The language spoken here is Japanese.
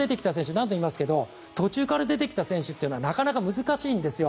何度も言いますが途中から出てきた選手というのはなかなか難しいんですよ。